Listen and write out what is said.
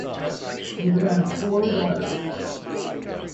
They would have four daughters.